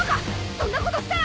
そんなことしたら。